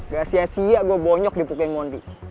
gak sia sia gue bonyok dipukai mondi